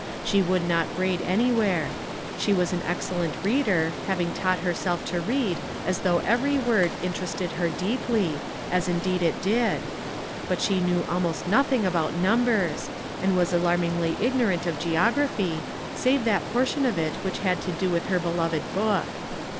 She would not grade anywhere. She was an excellent reader, having taught herself to read as though every word interested her deeply, as indeed it did. But she knew almost nothing about numbers, and was alarmingly ignorant of geography, save that portion of it which had to do with her beloved book.